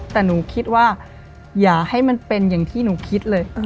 แต่หนูคิดว่าอย่าให้มันเป็นอย่างที่หนูคิดเลย